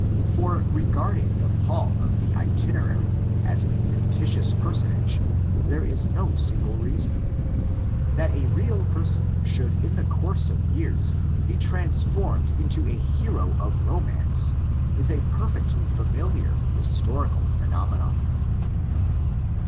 For regarding the Paul of the Itinerary as a fictitious personage there is no single reason. Thata real person should in the course of years be trans formed into a hero of romance is a perfectly familiar historical phenomenon.